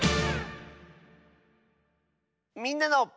「みんなの」。